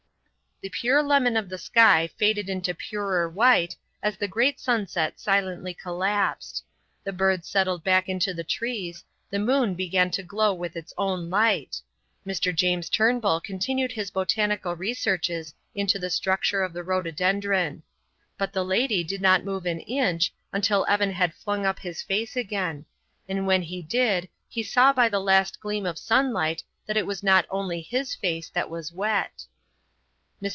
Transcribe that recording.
The pure lemon of the sky faded into purer white as the great sunset silently collapsed. The birds settled back into the trees; the moon began to glow with its own light. Mr. James Turnbull continued his botanical researches into the structure of the rhododendron. But the lady did not move an inch until Evan had flung up his face again; and when he did he saw by the last gleam of sunlight that it was not only his face that was wet. Mr.